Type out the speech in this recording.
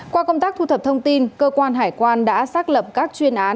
qua công tác thu thập thông tin cơ quan hải quan đã xác lập các chuyên án